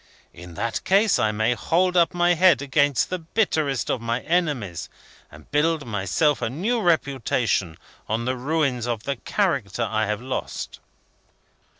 In that case, I may hold up my head against the bitterest of my enemies, and build myself a new reputation on the ruins of the character I have lost."